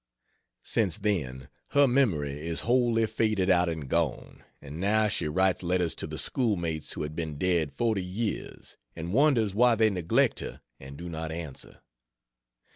Since then, her memory is wholly faded out and gone; and now she writes letters to the school mates who had been dead forty years, and wonders why they neglect her and do not answer.